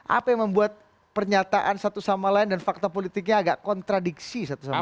apa yang membuat pernyataan satu sama lain dan fakta politiknya agak kontradiksi satu sama lain